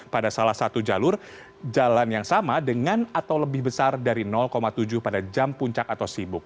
pada salah satu jalur jalan yang sama dengan atau lebih besar dari tujuh pada jam puncak atau sibuk